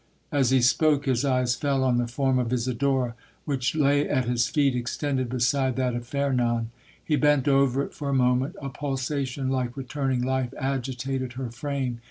As he spoke, his eyes fell on the form of Isidora, which lay at his feet extended beside that of Fernan. He bent over it for a moment—a pulsation like returning life agitated her frame.